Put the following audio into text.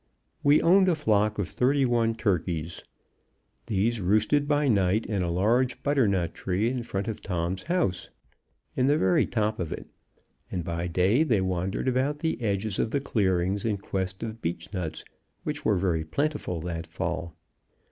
We owned a flock of thirty one turkeys. These roosted by night in a large butternut tree in front of Tom's house in the very top of it, and by day they wandered about the edges of the clearings in quest of beech nuts, which were very plentiful that fall.